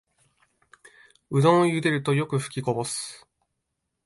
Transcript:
うどんをゆでるとよくふきこぼす